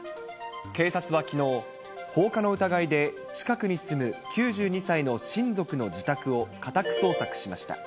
警察はきのう、放火の疑いで近くに住む９２歳の親族の自宅を家宅捜索しました。